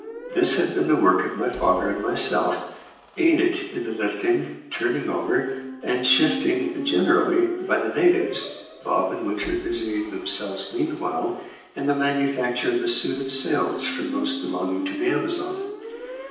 This had been the work of my father and myself, aided in the lifting, turning over, and shifting generally by the natives, Bob and Winter busying themselves meanwhile in the manufacture of a suit of sails from those belonging to the Amazon.